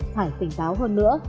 phải tỉnh táo hơn nữa